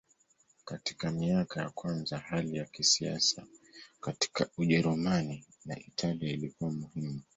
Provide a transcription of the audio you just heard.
Katika miaka ya kwanza hali ya kisiasa katika Ujerumani na Italia ilikuwa muhimu.